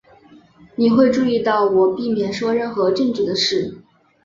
你会注意到我避免说任何政治的事。